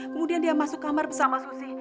kemudian dia masuk kamar bersama susi